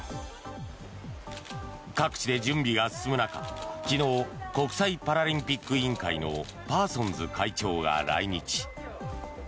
各地で準備が進む中、昨日国際パラリンピック委員会のパーソンズ会長が来日。